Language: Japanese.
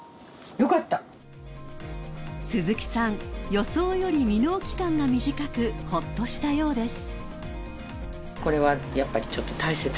予想より未納期間が短くほっとしたようです］